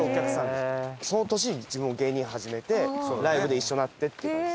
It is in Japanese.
その年に自分も芸人始めてライブで一緒になってって感じ。